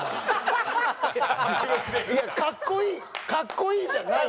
いや「かっこいい」「かっこいい」じゃないん？